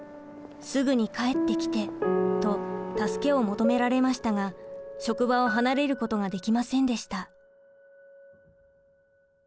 「すぐに帰ってきて」と助けを求められましたが職場を離れることができませんでした。